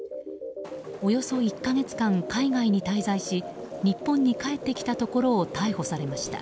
およそ１か月間海外に滞在し日本に帰ってきたところを逮捕されました。